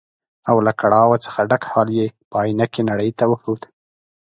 او له کړاو څخه ډک حال یې په ائينه کې نړۍ ته وښود.